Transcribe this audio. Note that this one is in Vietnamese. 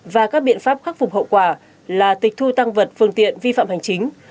và các biện pháp khắc phục hậu quả là tịch thu tăng vật phương tiện vi phạm hành chính